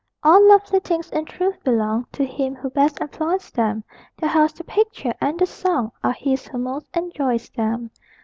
All lovely things in truth belong To him who best employs them; The house, the picture and the song Are his who most enjoys them.